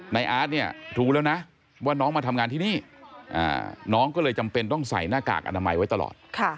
อาร์ตเนี่ยรู้แล้วนะว่าน้องมาทำงานที่นี่น้องก็เลยจำเป็นต้องใส่หน้ากากอนามัยไว้ตลอด